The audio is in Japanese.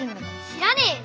知らねえよ！